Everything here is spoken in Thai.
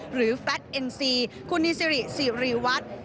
หรือแฟลต์เอ็นซีคุณนิสิริสิริวัตร